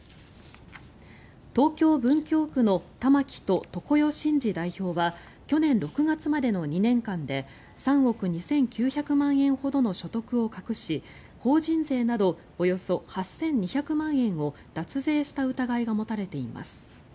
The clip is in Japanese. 東京・文京区のたまきと常世眞司代表は去年６月までの２年間で３億２９００万円ほどの所得を隠し法人税などおよそ８２００万円を脱税した疑いが持たれています。